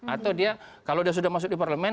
atau dia kalau dia sudah masuk di parlemen